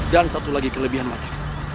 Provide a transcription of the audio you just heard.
dan satu lagi kelebihan mata